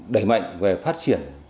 đẩy mạnh về phát triển